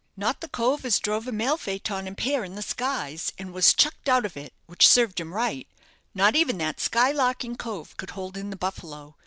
"Not the cove as drove a mail phaeton and pair in the skies, and was chucked out of it, which served him right not even that sky larking cove could hold in the 'Buffalo.'